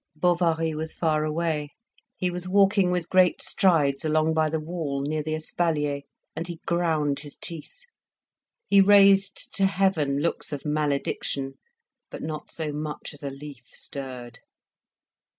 Bovary was far away. He was walking with great strides along by the wall, near the espalier, and he ground his teeth; he raised to heaven looks of malediction, but not so much as a leaf stirred.